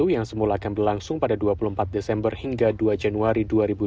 yang semula akan berlangsung pada dua puluh empat desember hingga dua januari dua ribu dua puluh